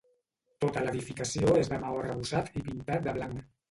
Tota l’edificació és de maó arrebossat i pintat de blanc.